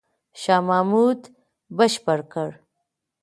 شاه محمود بشپړ کړ.